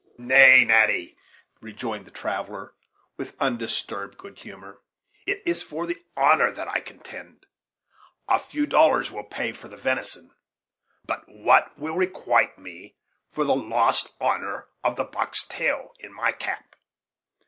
"Nay, Natty," rejoined the traveller, with undisturbed good humor, "it is for the honor that I contend. A few dollars will pay for the venison; but what will requite me for the lost honor of a buck's tail in my cap?